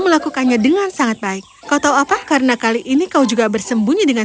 melakukannya dengan sangat baik kau tahu apa karena kali ini kau juga bersembunyi dengan